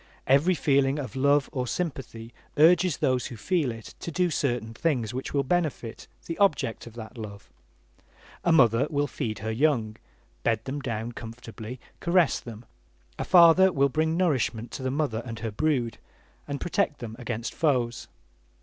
Every feeling of love or sympathy urges those who feel it to do certain things which will benefit the object of that love. A mother will feed her young, bed them down comfortably, caress them; a father will bring nourishment to the mother and her brood, and protect them against foes.